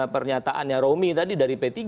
pernyataannya romi tadi dari p tiga